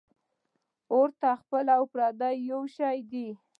ـ اور ته خپل او پردي یو شی دی .